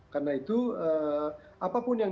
karena itu apapun yang